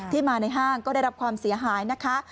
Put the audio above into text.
มาในห้างก็ได้รับความเสียหายนะคะ